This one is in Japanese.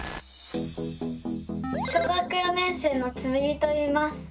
小学４年生のつむぎといいます。